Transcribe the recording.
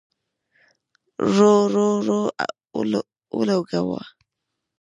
رور، رور، رور اولګوو